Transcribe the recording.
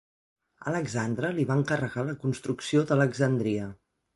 Alexandre li va encarregar la construcció d'Alexandria.